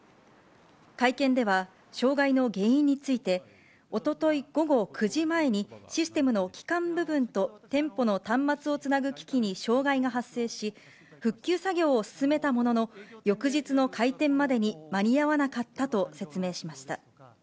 会見では、障害の原因について、おととい午後９時前に、システムの基幹部分と店舗の端末をつなぐ機器に障害が発生し、復旧作業を進めたものの、翌日の開店までに間に合わなかったと説明しました。